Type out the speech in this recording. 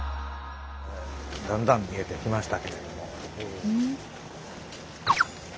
だんだん見えてきましたけれども。